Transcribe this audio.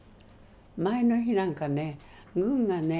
前の日なんかね軍がね